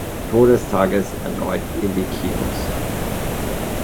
Todestages erneut in die Kinos.